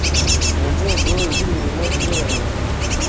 Mu nzego z’imirimo inyuranye